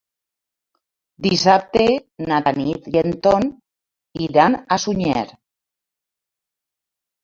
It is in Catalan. Dissabte na Tanit i en Ton iran a Sunyer.